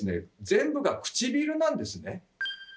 全部がくちびるなんですね。